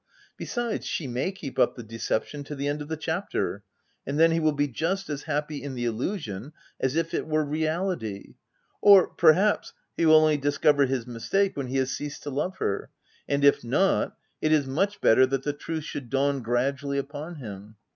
Besides, she may keep up the deception to the end of the chapter; and then he will be just as happy in the illusion as if it were reality ; or perhaps, he will only discover his mistake when he has ceased to love her ;— and if not, it is much better that the truth should dawn gradually upon him.